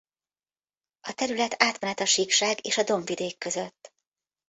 A terület átmenet a síkság és a dombvidék között.